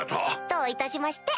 どういたしまして